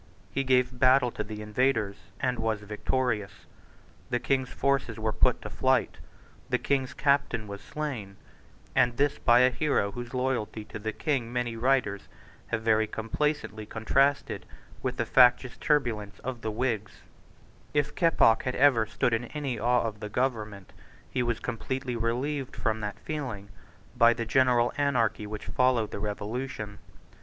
He gave battle to the invaders, and was victorious. The King's forces were put to flight; the King's captain was slain; and this by a hero whose loyalty to the King many writers have very complacently contrasted with the factious turbulence of the Whigs, If Keppoch had ever stood in any awe of the government, he was completely relieved from that feeling by the general anarchy which followed the Revolution.